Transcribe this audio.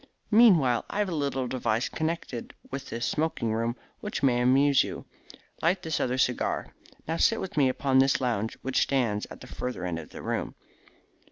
Meanwhile, I have a little device connected with this smoking room which may amuse you. Light this other cigar. Now sit with me upon this lounge which stands at the further end of the room."